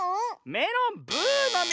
メロンブーのミズ！